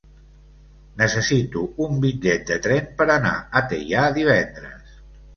Necessito un bitllet de tren per anar a Teià divendres.